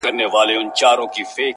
گراني راته راکړه څه په پور باڼه~